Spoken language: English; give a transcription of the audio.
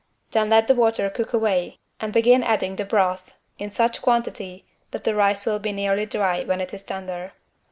Then let the water cook away and begin adding the broth, in such quantity that the rice will be nearly dry when it is tender.